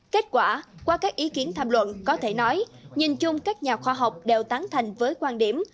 kết quả qua các ý kiến tham luận có thể nói nhìn chung các nhà khoa học đều tán thành với quan điểm